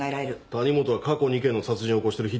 谷本は過去２件の殺人を起こしてるヒットマンや。